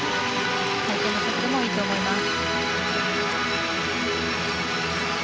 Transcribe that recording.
回転の速度もいいと思います。